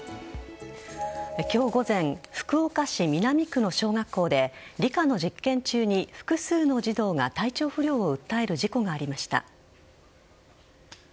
今日午前福岡市南区の小学校で理科の実験中に複数の児童が体調不良を訴える事故がありました。